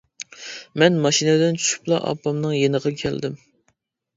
مەن ماشىنىدىن چۈشۈپلا ئاپامنىڭ يېنىغا كەلدىم.